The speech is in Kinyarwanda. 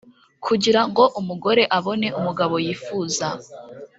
Kugirango umugore abone umugabo yifuza